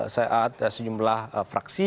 saya atas sejumlah fraksi